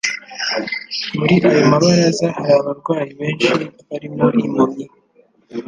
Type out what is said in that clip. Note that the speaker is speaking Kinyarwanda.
Muri ayo mabaraza hari abarwayi benshi, barimo impumyi